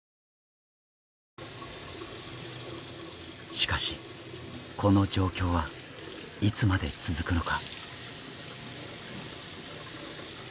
しかしこの状況はいつまで続くのか。